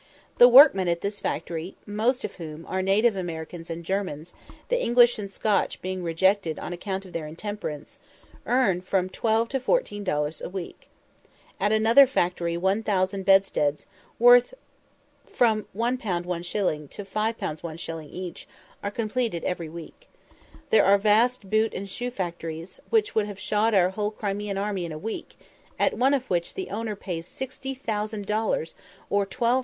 The workmen at this factory (most of whom are native Americans and Germans, the English and Scotch being rejected on account of their intemperance) earn from 12 to 14 dollars a week. At another factory 1000 bedsteads, worth from 1_l._ to 5_l._ each, are completed every week. There are vast boot and shoe factories, which would have shod our whole Crimean army in a week, at one of which the owner pays 60,000 dollars or 12,000_l.